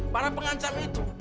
para pengancam itu